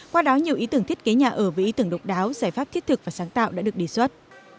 qua đó nhiều ý tưởng thiết kế nhà ở với ý tưởng độc đáo giải pháp thiết thực và sáng tạo đã được đề xuất